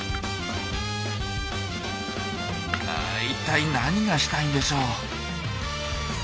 いったい何がしたいんでしょう？